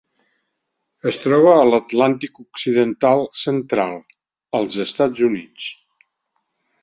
Es troba a l'Atlàntic occidental central: els Estats Units.